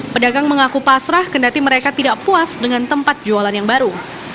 pedagang mengaku pasrah kendati mereka tidak puas dengan tempat jualan yang baru